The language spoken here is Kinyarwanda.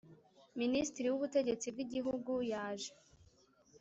Minisitiri w Ubutegetsi bwigihugu yaje